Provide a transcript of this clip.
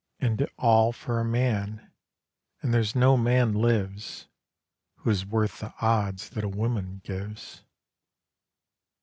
(And all for a man; and there's no man lives Who is worth the odds that a woman gives.)